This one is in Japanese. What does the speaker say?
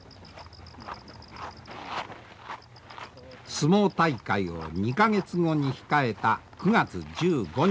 相撲大会を２か月後に控えた９月１５日。